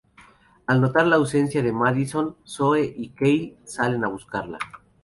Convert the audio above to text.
Al notar la ausencia de Madison, Zoe y Kyle salen a buscarla.